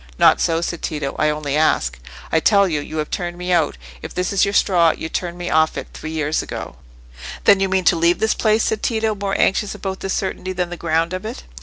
"Not so," said Tito; "I only ask." "I tell you, you have turned me out. If it is your straw, you turned me off it three years ago." "Then you mean to leave this place?" said Tito, more anxious about this certainty than the ground of it.